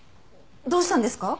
どうしたんですか？